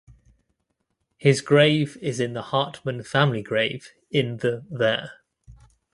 His grave is in the Hartmann family grave in the there.